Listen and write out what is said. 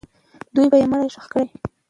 دوی به یې مړی ښخ کړی وي.